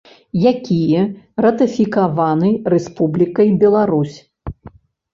Якія ратыфікаваны Рэспублікай Беларусь.